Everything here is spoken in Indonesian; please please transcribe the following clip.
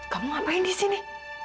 kamu ngapain disini